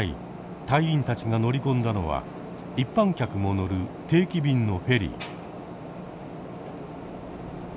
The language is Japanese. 隊員たちが乗り込んだのは一般客も乗る定期便のフェリー。